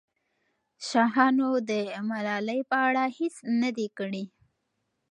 شاهانو د ملالۍ په اړه هېڅ نه دي کړي.